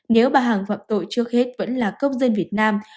nếu bà hằng phạm tội trước hết vẫn là công dân việt nam